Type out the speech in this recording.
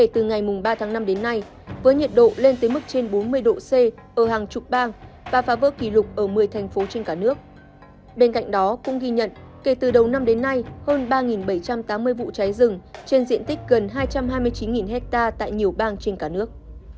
trên diện tích gần hai trăm hai mươi chín hectare tại nhiều bang trên cả nước